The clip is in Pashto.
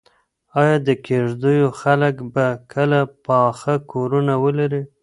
ایا د کيږديو خلک به کله پاخه کورونه ولري؟